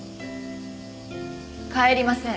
帰りません。